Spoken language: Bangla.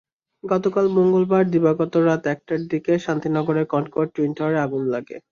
গতকাল মঙ্গলবার দিবাগত রাত একটার দিকে শান্তিনগরের কনকর্ড টুইন টাওয়ারে আগুন লাগে।